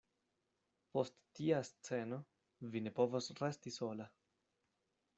Post tia sceno, vi ne povas resti sola.